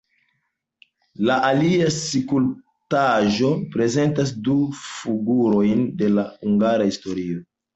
La alia skulptaĵo prezentas du figurojn de la hungara historio.